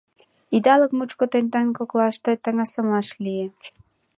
— Идалык мучко тендан коклаште таҥасымаш лие.